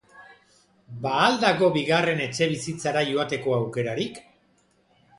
Ba al dago bigarren etxebizitzara joateko aukerarik?